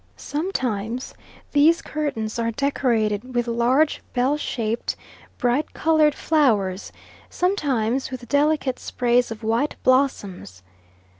Sometimes these curtains are decorated with large bell shaped, bright coloured flowers, sometimes with delicate sprays of white blossoms.